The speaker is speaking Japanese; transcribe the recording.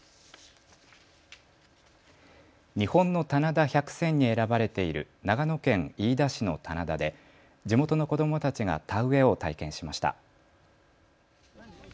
日本の棚田百選に選ばれている長野県飯田市の棚田で地元の子どもたちが田植えを体験しました。